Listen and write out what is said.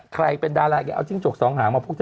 ใครเป็นดาราเอาจิ้งจกสองหางมา